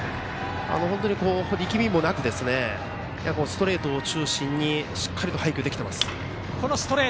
本当に力みもなくストレートを中心にしっかりと配球できています。